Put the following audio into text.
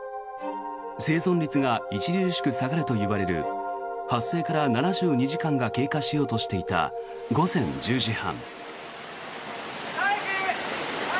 生存率が著しく下がるといわれる発生から７２時間が経過しようとしていた午前１０時半。